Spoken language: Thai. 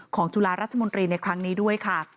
ของจุฬาราชมนตรีในครั้งนี้ด้วย